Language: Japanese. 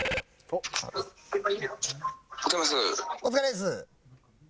お疲れです。